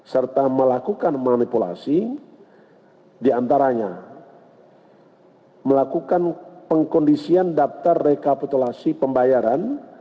serta melakukan manipulasi diantaranya melakukan pengkondisian daftar rekapitulasi pembayaran